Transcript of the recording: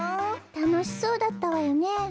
たのしそうだったわよね。